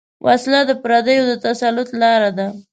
وسله د پردیو د تسلط لاره ده